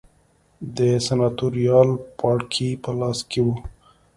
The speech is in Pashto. د سناتوریال پاړکي په لاس کې و